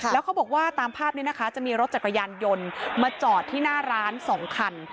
แล้วเขาบอกว่าตามภาพนี้นะคะจะมีรถจักรยานยนต์มาจอดที่หน้าร้าน๒คัน